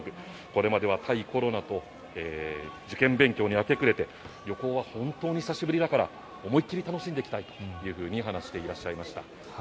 これまでは対コロナと受験勉強に明け暮れて旅行は本当に久しぶりだから思いっ切り楽しんできたいと話していらっしゃいました。